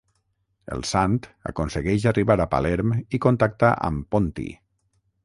El Sant aconsegueix arribar a Palerm i Contacta amb Ponti.